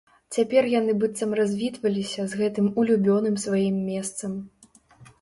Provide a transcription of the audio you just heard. Цяпер яны быццам развітваліся з гэтым улюбёным сваім месцам.